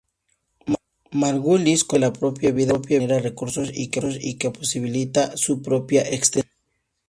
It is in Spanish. Margulis considera que la propia vida genera recursos y que posibilita su propia extensión.